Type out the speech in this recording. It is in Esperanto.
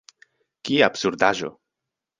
Kia absurdaĵo!